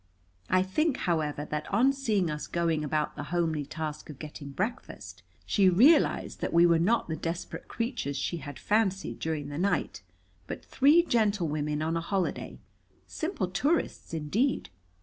I think, however, that on seeing us going about the homely task of getting breakfast, she realized that we were not the desperate creatures she had fancied during the night, but three gentlewomen on a holiday simple tourists, indeed.